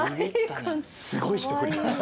・すごい一振り。